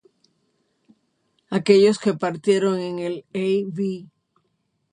Aquellos que partieron en el a. v.